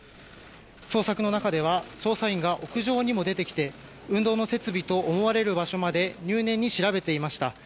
捜索の中では捜査員が屋上にも出てきて運動の設備と思われる場所まで入念に調べていました。